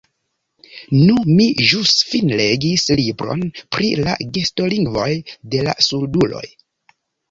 Nu, mi ĵus finlegis libron pri la gestolingvoj de la surduloj.